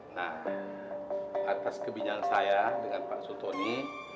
nah atas kebinyakan saya dengan pak sotoni